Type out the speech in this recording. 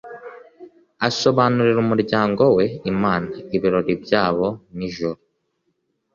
Asobanurira umuryango we Imana ibirori byabo ni ijuru